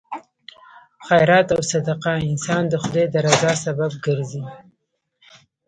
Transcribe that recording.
خیرات او صدقه انسان د خدای د رضا سبب ګرځي.